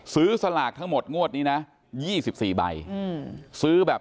ซื้อสลากทั้งหมดงวดนี้๒๔ใบ